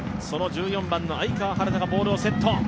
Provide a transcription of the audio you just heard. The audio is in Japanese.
その１４番の愛川陽菜がボールをセット。